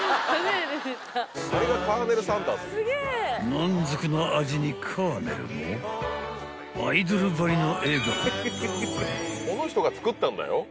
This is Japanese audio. ［満足の味にカーネルもアイドルばりの笑顔］